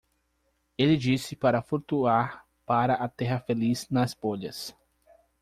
Ele disse para flutuar para a Terra Feliz nas bolhas.